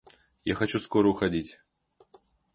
Я хочу скоро уходить.